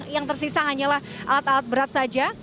yang tersisa hanyalah alat alat berat saja